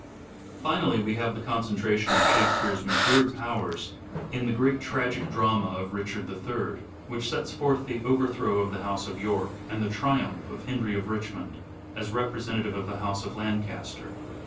Richard in." Finally, we have the concentration of Shakespeare's matured powers in the great tragic drama of " Richard III," which sets forth the overthrow of the house of York, and the triumph of Henry of Richmond, as representative of the house of Lancaster.